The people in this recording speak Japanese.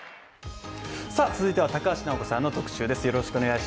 続いては高橋尚子さんの特集です。